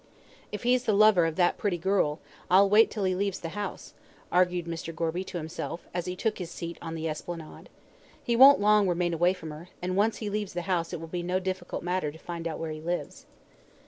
"If he's the lover of that pretty girl, I'll wait till he leaves the house," argued Mr. Gorby to himself, as he took his seat on the Esplanade. "He won't long remain away from her, and once he leaves the house it will be no difficult matter to find out where he lives."